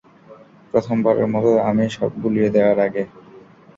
প্রথমবারের মতো, আমি সব গুলিয়ে দেয়ার আগে।